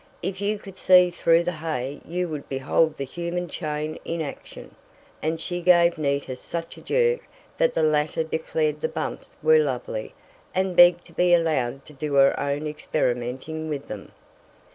If you could see through the hay you would behold the human chain in action," and she gave Nita such a jerk that the latter declared the bumps were lovely, and begged to be allowed to do her own experimenting with them.